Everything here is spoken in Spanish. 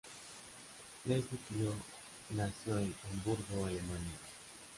Leslie Clio nació en Hamburgo, Alemania.